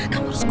kamu harus kuat